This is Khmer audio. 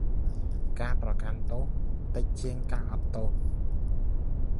ការប្រកាន់ទោស តិចជាង ការអត់ទោស។